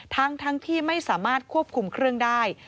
ทั้งที่ไม่สามารถควบคุมเครื่องได้